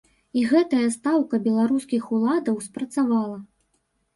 І гэтая стаўка беларускіх уладаў спрацавала.